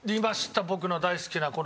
僕の大好きなこの。